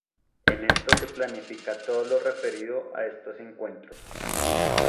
En estos se planifica todo lo referido a estos encuentros.